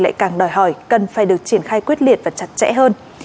lại càng đòi hỏi cần phải được triển khai quyết liệt và chặt chẽ hơn